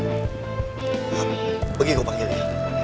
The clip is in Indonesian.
ya pergi kau panggil dia